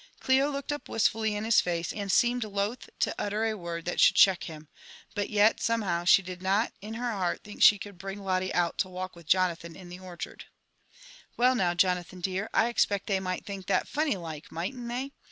"* Clio looked up wistfully in his face, and seemed loath to utter a word that should check him ; but yet, somehow, she did not in her heart think she could bring out Lotte to walk with Jonathan in the orchard. 59 LIPB AND ADVENTURES OF '' Well, now, Jonathan dear, I expect they naight think that funny like ; mightd't they